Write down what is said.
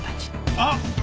あっ